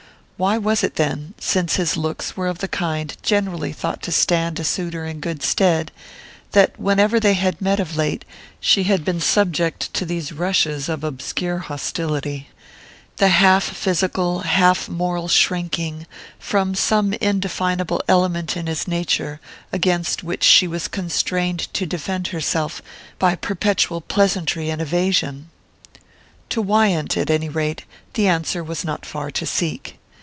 Why was it then since his looks were of the kind generally thought to stand a suitor in good stead that whenever they had met of late she had been subject to these rushes of obscure hostility, the half physical, half moral shrinking from some indefinable element in his nature against which she was constrained to defend herself by perpetual pleasantry and evasion? To Wyant, at any rate, the answer was not far to seek.